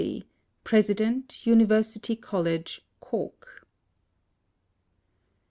D., President, University College, Cork.